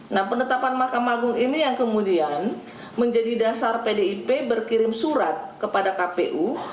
nah penetapan mahkamah agung ini yang kemudian menjadi dasar pdip berkirim surat kepada kpu